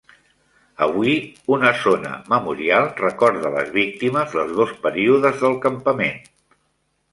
Avui, una zona memorial recorda les víctimes dels dos períodes del campament.